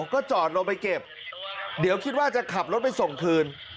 ก็จอดลงไปเก็บเดี๋ยวคิดว่าจะขับรถไปส่งคืน